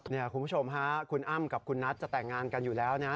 คุณผู้ชมฮะคุณอ้ำกับคุณนัทจะแต่งงานกันอยู่แล้วนะ